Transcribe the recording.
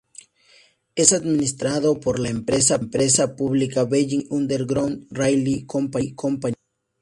Es administrado por la empresa pública Beijing City Underground Railway Company.